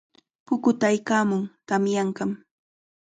Pukutaykaamun, tamyanqam.